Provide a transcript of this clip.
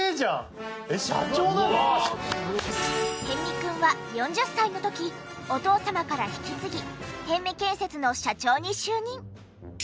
逸見くんは４０歳の時お父様から引き継ぎ逸見建設の社長に就任。